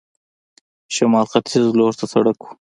شمال ختیځ لور ته سړک و.